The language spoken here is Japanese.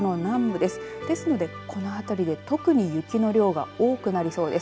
ですので、このあたりで特に雪の量が多くなりそうです。